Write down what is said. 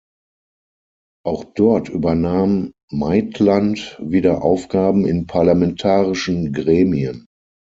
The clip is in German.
Auch dort übernahm Maitland wieder Aufgaben in parlamentarischen Gremien.